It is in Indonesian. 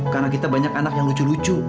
karena kita banyak anak yang lucu lucu